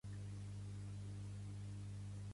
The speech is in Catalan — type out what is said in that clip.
Els animals no volen ser el teu menjar per dinar